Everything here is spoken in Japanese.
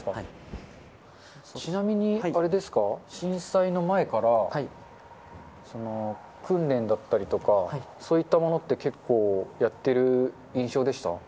ちなみにあれですか、震災の前から、訓練だったりとか、そういったものって結構、やってる印象でした？